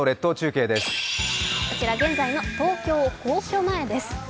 こちら現在の東京・皇居前です。